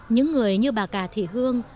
những người như bà cà thị hương